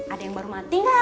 ada yang baru mati